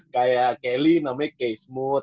kayak kelly namanya kei smooth